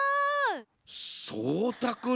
そうたくん・